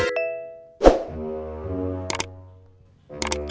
kalau mereka sekian jepang kayak spalress gue lagi help pakai